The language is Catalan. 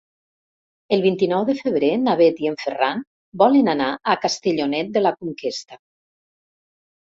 El vint-i-nou de febrer na Bet i en Ferran volen anar a Castellonet de la Conquesta.